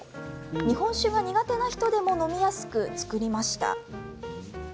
日本酒が苦手な人でも飲みやすく造りました。